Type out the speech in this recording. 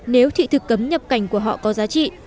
nếu thị thực cấm nhập cảnh của họ có giá trị